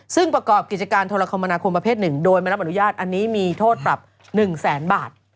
ซึ่งประกอบกิจการโทรคมนาคมประเภท๑โดยไม่รับอนุญาตอันนี้มีโทษปรับ๑แสนบาท